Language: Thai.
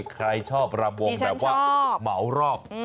ใครชอบรำวงแบบว่าเหมารอบ